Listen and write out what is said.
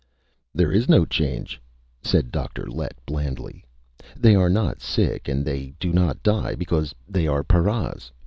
"There is no change," said Dr. Lett blandly. "They are not sick and they do not die because they are paras.